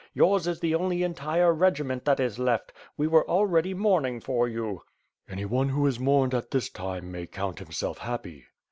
Yours is the only entire regiment that is left. We were already mourning for you." "Anyone who is mourned at this time, may count himself happy."